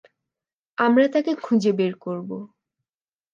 আমরা তাকে খুঁজে বের করব।